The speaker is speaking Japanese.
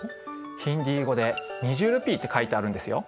ヒンディー語で２０ルピーって書いてあるんですよ。